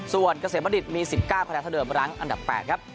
ส่วนเกษมบัณฑิตมี๑๙คะแนนเท่าเดิมรั้งอันดับ๘ครับ